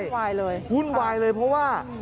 วุ่นวายเลยครับค่ะวุ่นวายเลยเพราะว่า